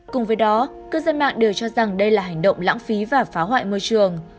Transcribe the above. cùng với đó cư dân mạng đều cho rằng đây là hành động lãng phí và phá hoại môi trường